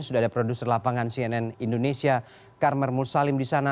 sudah ada produser lapangan cnn indonesia karmel mursalim di sana